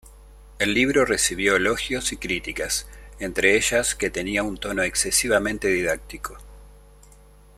El libro recibió elogios y críticas, entre ellas que tenía un tono excesivamente didáctico.